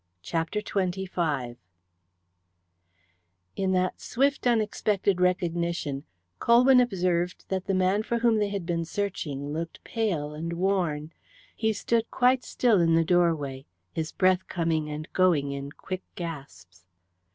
CHAPTER XXV In that swift unexpected recognition Colwyn observed that the man for whom they had been searching looked pale and worn. He stood quite still in the doorway, his breath coming and going in quick gasps.